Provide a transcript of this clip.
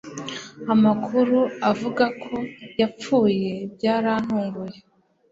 Amakuru avuga ko yapfuye byarantunguye